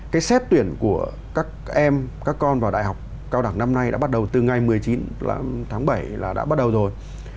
cái xét tuyển của các em các con vào đại học cao đẳng năm nay đã bắt đầu từ ngày một mươi chín tháng bảy là đã bắt đầu rồi